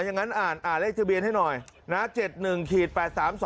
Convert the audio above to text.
อย่างนั้นอ่านอ่านเลขเฉียบเบียนให้หน่อย